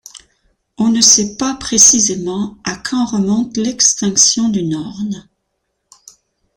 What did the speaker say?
On ne sait pas précisément à quand remonte l'extinction du norne.